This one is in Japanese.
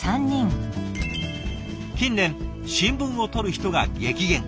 近年新聞を取る人が激減。